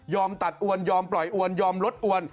ตัดอวนยอมปล่อยอวนยอมลดอวน